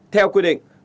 theo quy định